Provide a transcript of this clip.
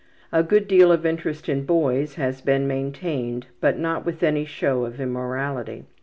A good deal of interest in boys has been maintained, but not with any show of immorality.